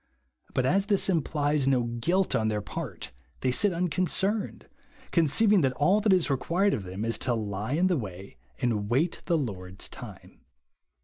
But as this implies no guilt on their part, they sit unconcerned, con ceiving that all that is required of them is to lie in the way and wait the Lord's time.